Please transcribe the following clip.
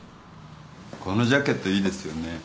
このジャケットいいですよね。